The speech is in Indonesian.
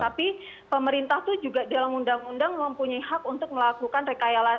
tapi pemerintah tuh juga dalam undang undang mempunyai hak untuk melakukan rekayasa lalu lintas